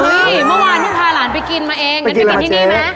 อุ้ยเมื่อวานก็พาหลานไปกินมาเองไปกินที่นี่มั้ยไปกินร้านเจ๊